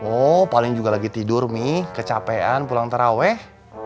oh paling juga lagi tidur nih kecapean pulang terawih